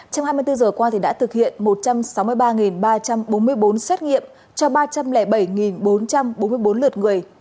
trong hai mươi bốn giờ qua đã thực hiện một trăm sáu mươi ba ba trăm bốn mươi bốn xét nghiệm cho ba trăm linh bảy bốn trăm bốn mươi bốn lượt người